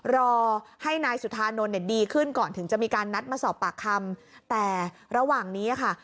รอให้นายสุธานนท์เนี่ยดีขึ้นก่อนถึงจะมีการนัดมาสอบปากคำแต่ระหว่างนี้ค่ะ